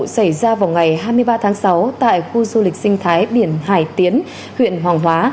xảy ra vào ngày hai mươi ba tháng sáu tại khu du lịch sinh thái biển hải tiến huyện hoàng hóa